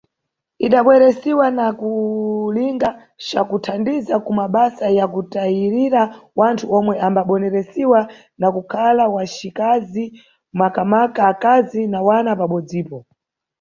Idabweresiwa na cakulinga ca kuthandiza ku mabasa ya kutayirira wanthu omwe ambaboneresiwa na kukhala wacikazi, makamaka akazi na wana pabodzipo.